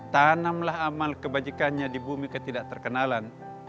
tanamlah amal kebajikannya di bumi ketidak terkenalan